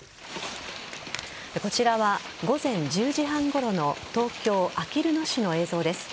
こちらは午前１０時半ごろの東京・あきる野市の映像です。